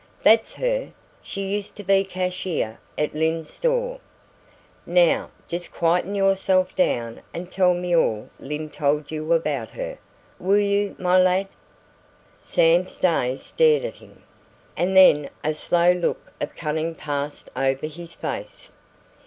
"That's her. She used to be cashier in Lyne's Store." "Now, just quieten yourself down and tell me all Lyne told you about her, will you, my lad?" Sam Stay stared at him, and then a slow look of cunning passed over his face.